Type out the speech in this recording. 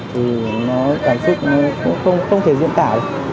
thì cảm xúc nó không thể diễn tả được